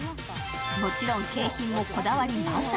もちろん景品もこだわり満載。